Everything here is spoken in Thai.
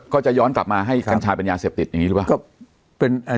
ก็จะย้อนกลับมาให้กัญชาเป็นยาเสพติดอย่างนี้หรือเปล่า